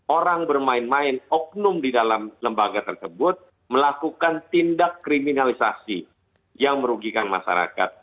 orang bermain main oknum di dalam lembaga tersebut melakukan tindak kriminalisasi yang merugikan masyarakat